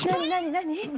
何？